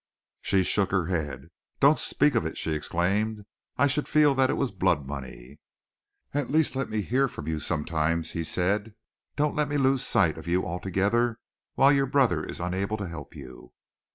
She shook her head. "Don't speak of it!" she exclaimed. "I should feel that it was blood money." "At least let me hear from you sometimes," he said. "Don't let me lose sight of you altogether while your brother is unable to help you."